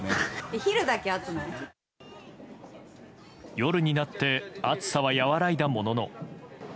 夜になって暑さは和らいだものの。